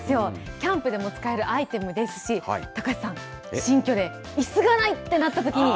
キャンプでも使えるアイテムですし高瀬さん、新居でいすがないとなったときにぜひ。